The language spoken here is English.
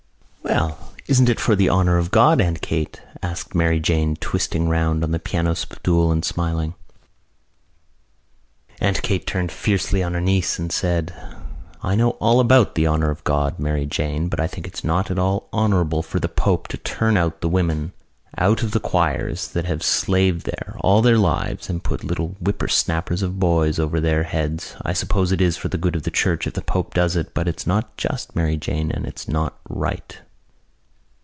"Well, isn't it for the honour of God, Aunt Kate?" asked Mary Jane, twisting round on the piano stool and smiling. Aunt Kate turned fiercely on her niece and said: "I know all about the honour of God, Mary Jane, but I think it's not at all honourable for the pope to turn out the women out of the choirs that have slaved there all their lives and put little whipper snappers of boys over their heads. I suppose it is for the good of the Church if the pope does it. But it's not just, Mary Jane, and it's not right."